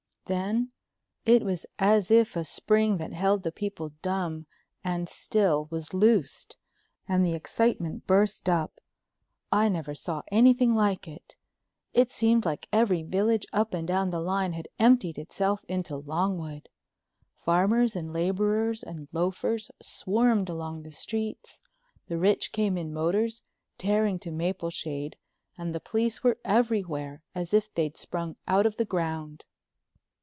Then it was as if a spring that held the people dumb and still was loosed and the excitement burst up. I never saw anything like it. It seemed like every village up and down the line had emptied itself into Longwood. Farmers and laborers and loafers swarmed along the streets, the rich came in motors, tearing to Mapleshade, and the police were everywhere, as if they'd sprung out of the ground.